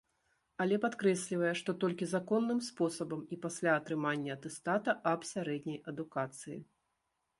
Але падкрэслівае, што толькі законным спосабам і пасля атрымання атэстата аб сярэдняй адукацыі.